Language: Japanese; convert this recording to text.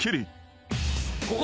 ここ？